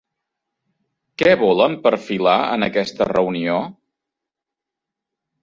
Què volen perfilar en aquesta reunió?